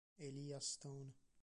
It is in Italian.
Elijah Stone.